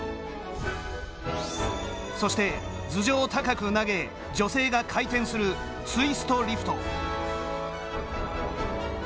そして、頭上高く投げ女性が回転するツイストリフト。